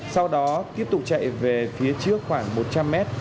sau đó tiếp tục chạy về phía trước khoảng một trăm linh mét